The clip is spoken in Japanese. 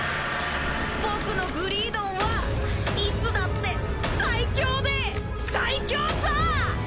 僕のグリードンはいつだって最強で最強さ！